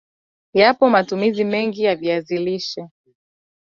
Yapo matumizi mengi ya viazi lishe